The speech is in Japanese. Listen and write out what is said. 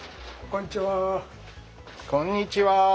こんにちは。